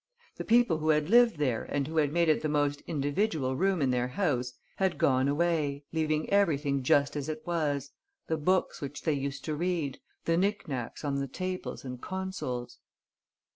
The people who had lived there and who had made it the most individual room in their house had gone away leaving everything just as it was, the books which they used to read, the knick knacks on the tables and consoles.